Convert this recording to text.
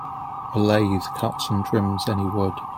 A lathe cuts and trims any wood.